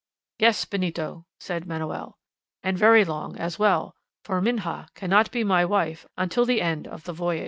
"Yes, Benito," said Manoel, "and very long as well, for Minha cannot by my wife until the end of the voyage."